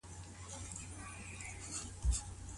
که تاریخ په لاس ولیکل سي نو ښه یادیږي.